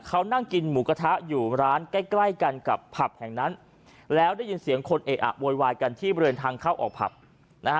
เขานั่งกินหมูกระทะอยู่ร้านใกล้กันกับภัพธ์แห่งนั้นแล้วได้ยินเสียงคนเอกอับโวยวายกันที่เบิร์นทางเขาออกภัพธ์